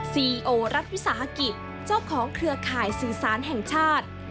ซีโอรัฐวิสาหกิจเจ้าของเครือข่ายสื่อสารแห่งชาติ